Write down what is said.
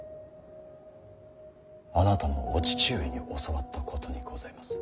あなたのお父上に教わったことにございます。